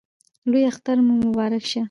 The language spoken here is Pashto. لوی اختر مو مبارک سه!